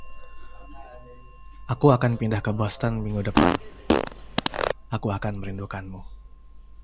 "Aku akan pindah ke Boston minggu depan." "Aku akan merindukanmu."